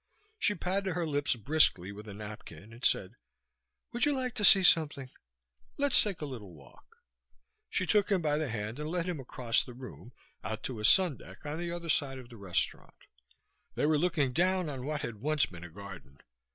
She patted her lips briskly with a napkin and said, "Would you like to see something? Let's take a little walk." She took him by the hand and led him across the room, out to a sundeck on the other side of the restaurant. They were looking down on what had once been a garden.